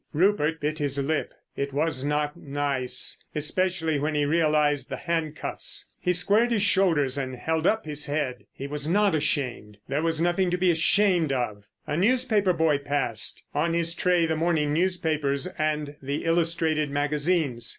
Rupert bit his lip. It was not nice. Especially when he realised the handcuffs. He squared his shoulders and held up his head. He was not ashamed. There was nothing to be ashamed of. A newspaper boy passed; on his tray the morning newspapers and the illustrated magazines.